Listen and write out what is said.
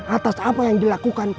atas apa yang dilakukan